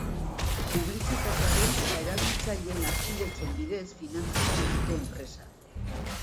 Publizitatearen eta erabiltzaileen harpidetzen bidez finantzaten dute enpresa.